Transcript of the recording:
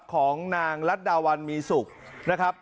ของนางรัฐดาวันมีสุขนะครับ